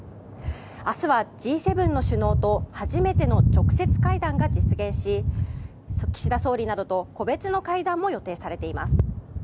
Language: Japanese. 明日はＧ７の首脳と初めての直接会談が実現し岸田総理などと個別の会談も予定されています。